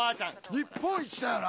日本一だよな。